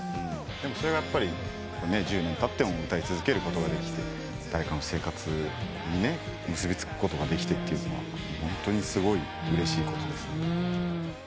でもそれがやっぱり１０年たっても歌い続けることができて誰かの生活に結び付くことができてっていうのはホントにすごいうれしいことですね。